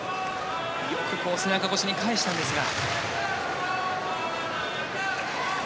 よく背中越しに返したんですが。